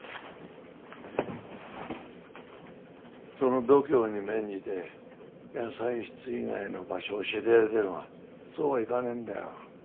その度胸に免じて野菜室以外の場所教えてやりたいがそうはいかねえんだよ。